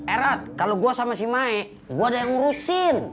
eh rod kalau gue sama si mae gue ada yang ngurusin